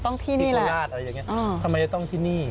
ต้องที่นี่แหละอืมต้องที่นี่แหละอย่างนี้ทำไมต้องที่นี่